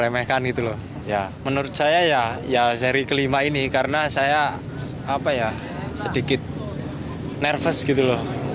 menurut saya ya seri kelima ini karena saya sedikit nervous gitu loh